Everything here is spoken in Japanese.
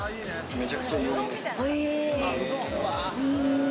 めちゃくちゃ有名です。